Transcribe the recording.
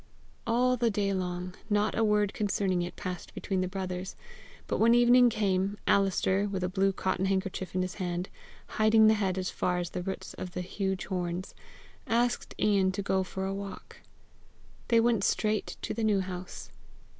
All the day long, not a word concerning it passed between the brothers; but when evening came, Alister, with a blue cotton handkerchief in his hand, hiding the head as far as the roots of the huge horns, asked Ian to go for a walk. They went straight to the New House.